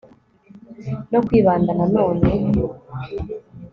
no kwibanda nanone